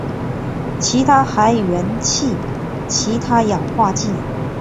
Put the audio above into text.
其他还原器其他氧化剂